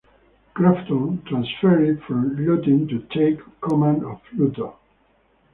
Crofton transferred from "Lutin" to take command of "Pluto".